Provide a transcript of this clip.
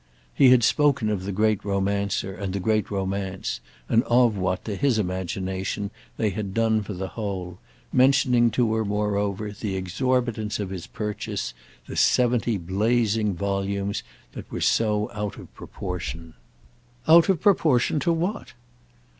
He had spoken of the great romancer and the great romance, and of what, to his imagination, they had done for the whole, mentioning to her moreover the exorbitance of his purchase, the seventy blazing volumes that were so out of proportion. "Out of proportion to what?"